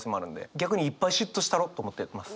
逆にいっぱい嫉妬したろと思ってやってます。